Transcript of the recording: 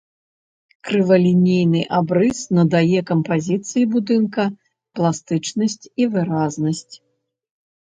Крывалінейны абрыс надае кампазіцыі будынка пластычнасць і выразнасць.